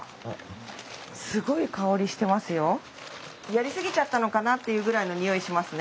やりすぎちゃったのかなっていうぐらいのにおいしますね。